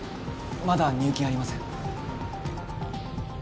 まだ入金ありません